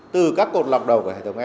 từ các cột lọc đầu của hệ thống này